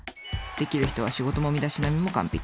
デキる人は仕事も身だしなみも完璧。